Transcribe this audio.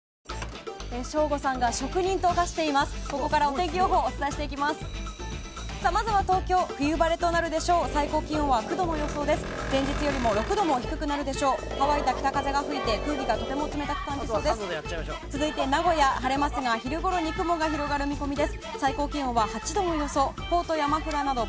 続いて名古屋晴れますが晴れますが、昼ごろには雲が広がる見込みです。